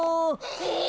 え！